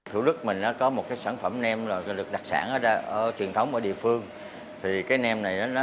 thủ đức mình có một sản phẩm nêm đặc sản truyền thống ở địa phương thì cái nêm này